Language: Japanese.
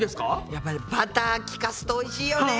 やっぱりバター利かすとおいしいよね。